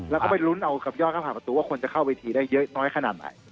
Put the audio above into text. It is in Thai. แล้วก็ไปลุ้นเอากับยอดเข้าผ่านประตูว่าคนจะเข้าเวทีได้เยอะน้อยขนาดไหน